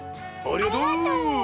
ありがとう！